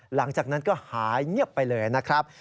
หลังจากนั้นก็หายเงียบไปเลยนะครับ